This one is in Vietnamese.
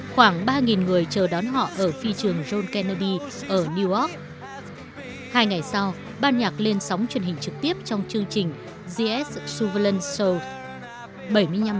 khoảng ba người chờ đón họ ở phi trường john kennedy ở newark hai ngày sau ban nhạc lên sóng truyền hình trực tiếp trong chương trình the s suverland soul